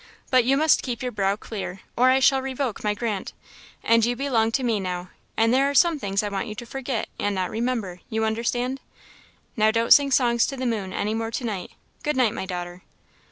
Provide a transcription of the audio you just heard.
But you must keep your brow clear, or I shall revoke my grant. And you belong to me now; and there are some things I want you to forget, and not remember you understand? Now, don't sing songs to the moon any more to night. Good night, my daughter."